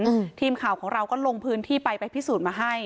ทีมข่าวของเราก็ลงพื้นที่ไปไปพิสูจน์มาให้